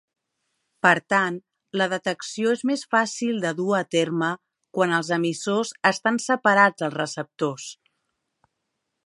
Per tant, la detecció és més fàcil de dur a terme quan els emissors estan separats del receptors.